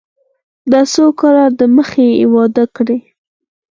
دا څو کاله د مخه يې واده کړى.